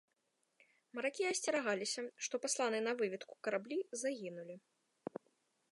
Маракі асцерагаліся, што пасланыя на выведку караблі загінулі.